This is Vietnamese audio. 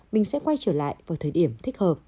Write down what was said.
mình sẽ quay trở lại vào thời điểm thích hợp